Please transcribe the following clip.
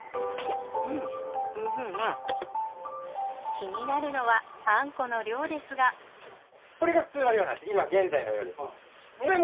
気になるのはあんこの量ですがこれが普通の量今現在の量。